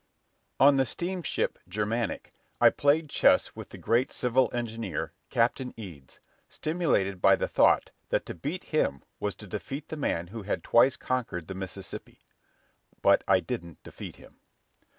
On the steamship "Germanic" I played chess with the great civil engineer, Captain Eads, stimulated by the thought that to beat him was to defeat the man who had twice conquered the Mississippi. But I didn't defeat him.